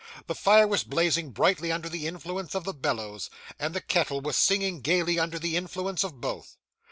The fire was blazing brightly under the influence of the bellows, and the kettle was singing gaily under the influence of both.